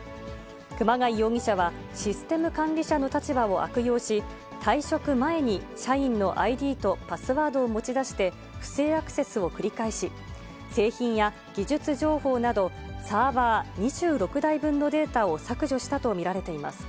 熊谷容疑者は、システム管理者の立場を悪用し、退職前に社員のＩＤとパスワードを持ち出して、不正アクセスを繰り返し、製品や技術情報など、サーバー２６台分のデータを削除したと見られています。